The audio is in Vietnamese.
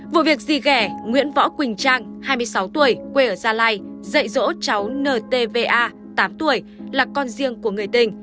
vụ việc gì ghé nguyễn võ quỳnh trang hai mươi sáu tuổi quê ở gia lai dạy dỗ cháu ntva tám tuổi là con riêng của người tình